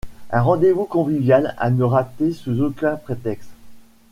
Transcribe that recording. Un rendez-vous convivial à ne rater sous aucun prétexte.